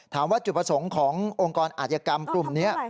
ถามว่าจุดประสงค์ขององค์กรอาธิกรรมกลุ่มนี้